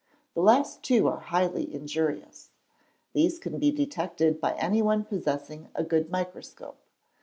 The last two are highly injurious. These can be detected by any one possessing a good microscope.